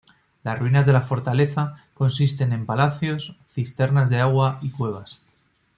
Las ruinas de la fortaleza consisten en palacios, cisternas de agua y cuevas.